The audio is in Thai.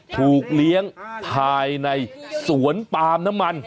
ถูกเลี้ยงภายในสวนปาล์มน้ำมัน